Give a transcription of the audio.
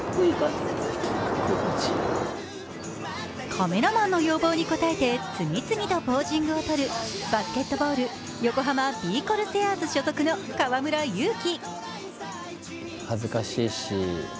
カメラマンの要望に応えて次々とポージングをとるバスケットボール横浜ビー・コルセアーズ所属の河村勇輝。